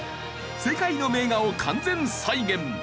世界の名画を完全再現！